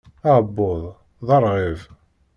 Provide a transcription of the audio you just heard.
Aɛebbuḍ d arɣib.